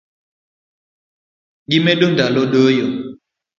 Gimedo ndalo doyo